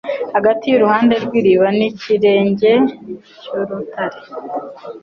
hagati yuruhande rwiriba nikirenge cyurutare